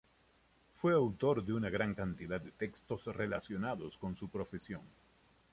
Fue autor de una gran cantidad de textos relacionados con su profesión.